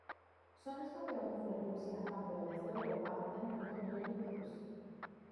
Son los campeones de Rusia, campeones de Europa, del mundo y olímpicos.